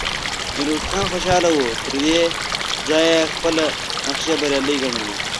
ميرويس خان خوشاله و، تر دې ځايه يې خپله نخشه بريالی ګڼله،